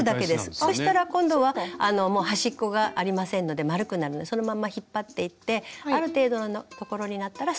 そしたら今度はもう端っこがありませんので丸くなるのでそのまんま引っ張っていってある程度のところになったらストップしましょう。